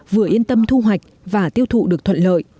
vừa yên tâm thu hoạch và tiêu thụ được thuận lợi